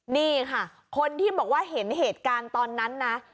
นี่ค่ะคนที่บอกว่าเห็นเหตุการณ์ตอนนั้นนะ